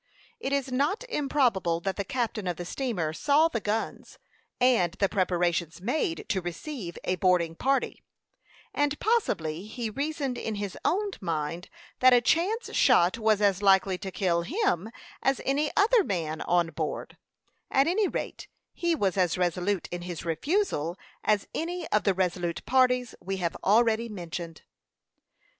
It is not improbable that the captain of the steamer saw the guns and the preparations made to receive a boarding party, and possibly he reasoned in his own mind that a chance shot was as likely to kill him as any other man on board; at any rate, he was as resolute in his refusal as any of the resolute parties we have already mentioned.